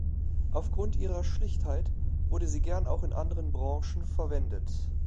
Aufgrund ihrer Schlichtheit wurde sie gern auch in anderen Branchen verwendet.